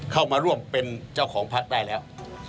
เข้ามาร่วมเป็นเจ้าของพักได้แล้ว